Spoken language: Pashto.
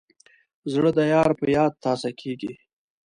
زړه د یار په یاد تازه کېږي.